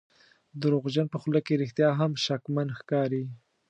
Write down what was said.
د دروغجن په خوله کې رښتیا هم شکمن ښکاري.